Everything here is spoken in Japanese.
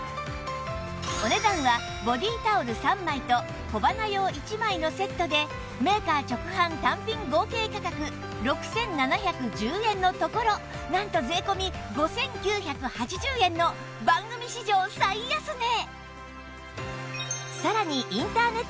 お値段はボディータオル３枚と小鼻用１枚のセットでメーカー直販単品合計価格６７１０円のところなんと税込５９８０円の番組史上最安値